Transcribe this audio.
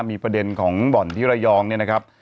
มีประเด็นของบ่อนที่ระยองเนี่ยนะครับ